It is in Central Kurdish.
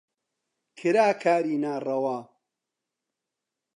کرا کاری ناڕەوا